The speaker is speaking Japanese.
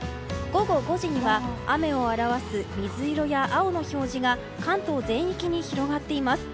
午後５時には雨を表す水色や青の表示が関東全域に広がっています。